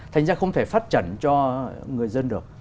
thành ra không thể phát trần cho người dân được